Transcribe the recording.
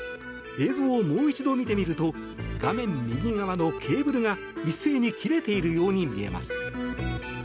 映像をもう一度見てみると画面右側のケーブルが一斉に切れているように見えます。